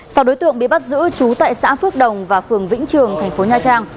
sau đối tượng bị bắt giữ chú tại xã phước đồng và phường vĩnh trường tp nha trang